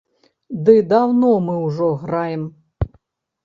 Ды даўно мы ўжо граем.